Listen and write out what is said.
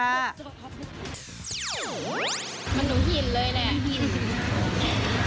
แข็งหนูขึ้นเลยแหละ